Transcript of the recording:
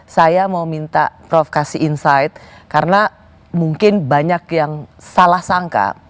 saya mau minta prof kasih insight karena mungkin banyak yang salah sangka